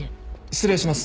失礼します。